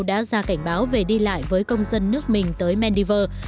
đã ra cảnh báo về đi lại với công dân nước mình tới menives